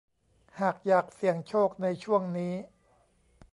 หากอยากเสี่ยงโชคในช่วงนี้